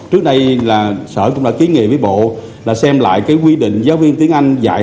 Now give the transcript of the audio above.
trước đây sở cũng đã ký nghị với bộ xem lại quy định giáo viên tiếng anh dạy